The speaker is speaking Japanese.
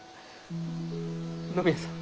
野宮さん